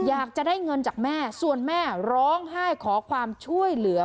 อยากจะได้เงินจากแม่ส่วนแม่ร้องไห้ขอความช่วยเหลือ